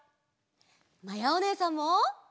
まやおねえさんも！